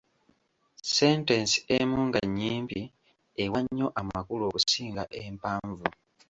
Sentensi emu nga nnyimpi ewa nnyo amakulu okusinga empanvu.